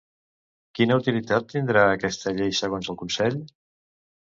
Quina utilitat tindrà aquesta llei segons el Consell?